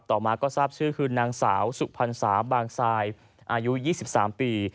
ต่อมาก็ทราบชื่อคือนางสาวสุพรรษาบางทรายอายุ๒๓ปี